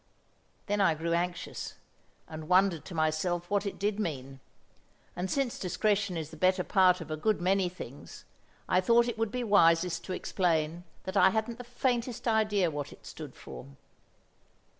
Then I grew anxious, and wondered to myself what it did mean; and since discretion is the better part of a good many things, I thought it would be wisest to explain that I hadn't the faintest idea what it stood for.